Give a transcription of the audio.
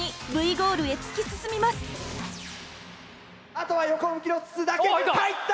あとは横向きの筒だけ入った！